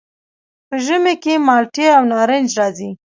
په ژمي کې مالټې او نارنج راځي.